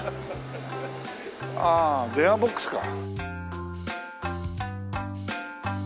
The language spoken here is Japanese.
ああ電話ボックスか。